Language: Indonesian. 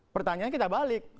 pertanyaan kita balik